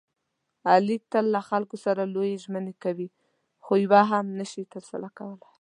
علي تل له خلکو سره لویې ژمنې کوي، خویوه هم نشي ترسره کولی.